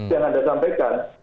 yang anda sampaikan